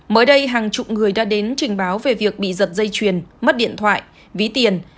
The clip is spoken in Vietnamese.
mới đây hàng chục người đã đến trình báo về việc bị giật dây chuyền mất điện thoại ví tiền